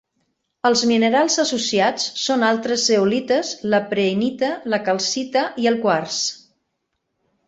Els minerals associats són altres zeolites, la prehnita, la calcita i el quars.